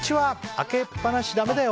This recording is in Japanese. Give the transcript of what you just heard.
開けっ放しダメだよ！